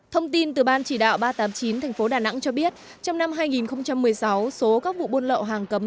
thông tin từ ban chỉ đạo ba trăm tám mươi chín tp đà nẵng cho biết trong năm hai nghìn một mươi sáu số các vụ buôn lậu hàng cấm